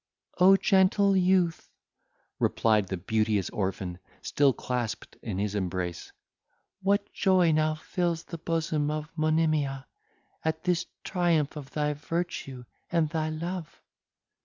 "O gentle youth!" replied the beauteous orphan, still clasped in his embrace, "what joy now fills the bosom of Monimia, at this triumph of thy virtue and thy love?